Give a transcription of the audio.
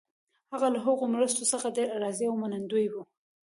هغه له هغو مرستو څخه ډېر راضي او منندوی وو.